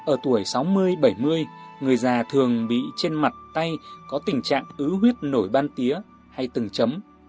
ở tuổi sáu mươi bảy mươi người già thường bị trên mặt tay có tình trạng ứ huyết nổi ban tía hay từng chấm